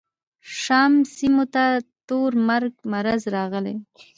شام سیمو ته تور مرګ مرض راغلی.